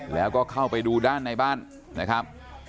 แล้วก็เข้าไปดูด้านในบ้านนะครับ